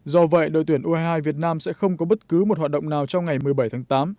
do vậy đội tuyển u hai mươi hai việt nam sẽ không có bất cứ một hoạt động nào trong ngày một mươi bảy tháng tám